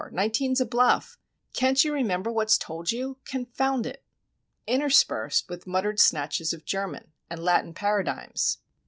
19's a bluff! Can't you remember what's told you,—confound it!" Interspersed with muttered snatches of German, and Latin paradigms.